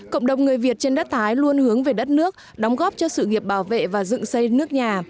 cộng đồng người việt trên đất thái luôn hướng về đất nước đóng góp cho sự nghiệp bảo vệ và dựng xây nước nhà